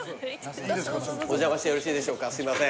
お邪魔してよろしいでしょうかすいません。